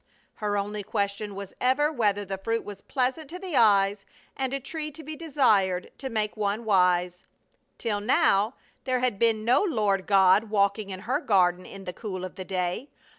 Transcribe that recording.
Her only question was ever whether the fruit was pleasant to the eyes and a tree to be desired to make one wise. Till now there had been no Lord God walking in her garden in the cool of the day.